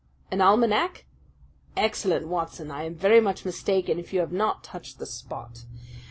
"An almanac!" "Excellent, Watson! I am very much mistaken if you have not touched the spot.